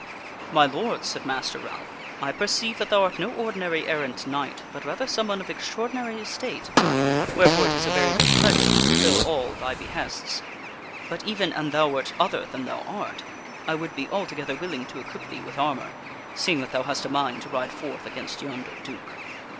" My Lord," said Master Ralph, " I perceive that thou art no ordinary errant knight, but rather someone of extraordinary estate ; wherefore it is a very great pleasure to fulfil all thy behests. But even an thou wert other than thou art, I would be altogether willing to equip thee with ar mor, seeing that thou hast a mind to ride forth against yonder duke."